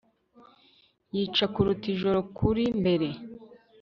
yica kuruta ijoro kuri mbere